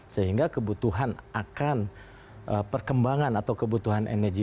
sehingga kebutuhan akan perkembangan atau kebutuhan energi